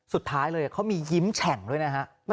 สุดท้ายเลยเขามียิ้มแฉ่งด้วยนะฮะ